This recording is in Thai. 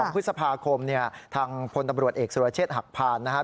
พฤษภาคมเนี่ยทางพลตำรวจเอกสุรเชษฐ์หักพานนะครับ